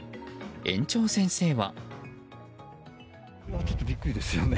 園長先生は。